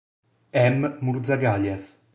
M. Murzagaliev.